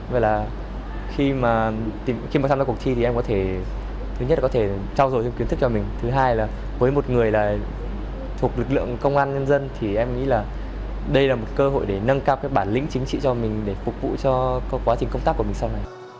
vậy là khi mà khi mà tham gia cuộc thi thì em có thể thứ nhất là có thể trao dồi thêm kiến thức cho mình thứ hai là với một người là thuộc lực lượng công an nhân dân thì em nghĩ là đây là một cơ hội để nâng cao cái bản lĩnh chính trị cho mình để phục vụ cho quá trình công tác của mình sau này